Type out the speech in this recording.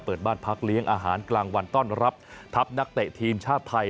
เปิดบ้านพักเลี้ยงอาหารกลางวันต้อนรับทัพนักเตะทีมชาติไทย